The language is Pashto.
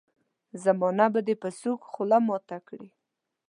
زمانه به دي په سوک خوله ماته کړي.